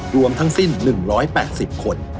รวมทั้งสิ้น๑๘๐คน